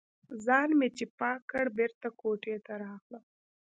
ځان مې چې پاک کړ، بېرته کوټې ته راغلم.